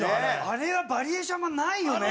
あれはバリエーションがないよね。